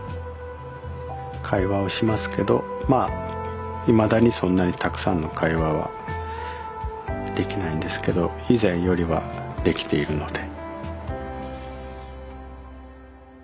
会話をしますけどまあいまだにそんなにたくさんの会話はできないんですけど以前よりはできているので。